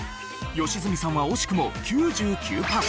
良純さんは惜しくも９９パーセント。